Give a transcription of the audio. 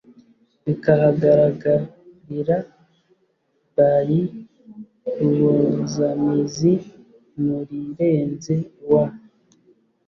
bikahagagarira by rubozamizi mu rirenze wa.